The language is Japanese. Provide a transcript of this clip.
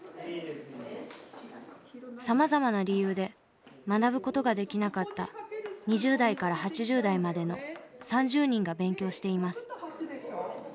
さまざまな理由で学ぶ事ができなかった２０代から８０代までの３０人が勉強しています。